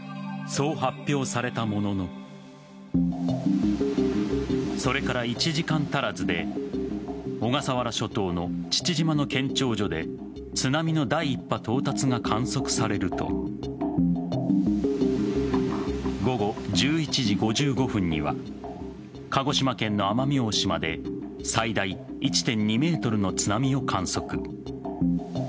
そう発表されたもののそれから１時間足らずで小笠原諸島の父島の検潮所で津波の第１波到達が観測されると午後１１時５５分には鹿児島県の奄美大島で最大１．２ｍの津波を観測。